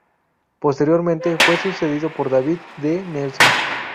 Posteriormente fue sucedido por David D. Nelson.